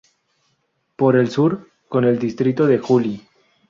Por el Sur: con el distrito de Juli.